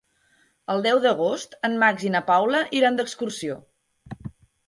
El deu d'agost en Max i na Paula iran d'excursió.